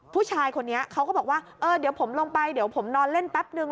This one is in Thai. ผู้ชายคนนี้เขาก็บอกว่าเออเดี๋ยวผมลงไปเดี๋ยวผมนอนเล่นแป๊บนึง